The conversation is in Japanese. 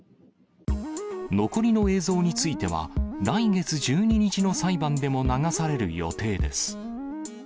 残りの映像については、来月１２日の裁判でも流される予定です。